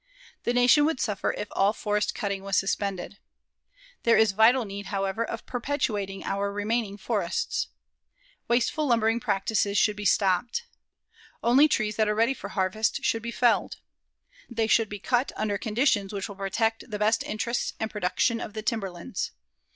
The Nation would suffer if all forest cutting was suspended. There is a vital need, however, of perpetuating our remaining forests. Wasteful lumbering practices should be stopped. Only trees that are ready for harvest should be felled. They should be cut under conditions which will protect the best interests and production of the timberlands.